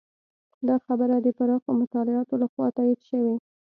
دا خبره د پراخو مطالعاتو لخوا تایید شوې.